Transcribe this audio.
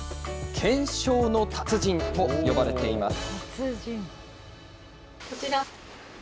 懸賞の達人と呼ばれています。